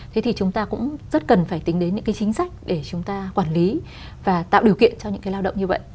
thế thì chúng ta cũng rất cần phải tính đến những cái chính sách để chúng ta quản lý và tạo điều kiện cho những cái lao động như vậy